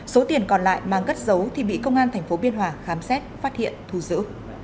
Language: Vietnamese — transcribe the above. số tiền còn lại mang gất dấu thì bị công an tp biên hòa khám xét phát hiện thu giữ